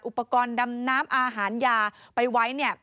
อุปกรณ์ดำน้ำอาหารยาไปไว้เนี่ย